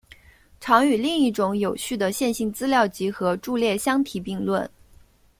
常与另一种有序的线性资料集合伫列相提并论。